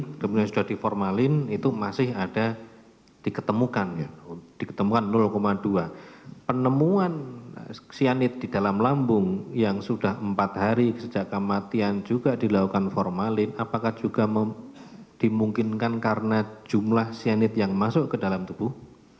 jadi kemungkinan sudah diformalin itu masih ada diketemukan diketemukan dua penemuan siani di dalam lambung yang sudah empat hari sejak kematian juga dilakukan formalin apakah juga dimungkinkan karena jumlah siani yang masuk ke dalam tubuh